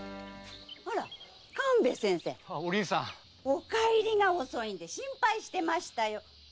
お帰りが遅いんで心配してましたよ。